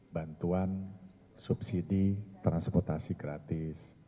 bantuan subsidi transportasi gratis